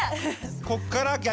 こっから逆？